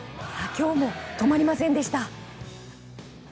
今日も止まりませんでした。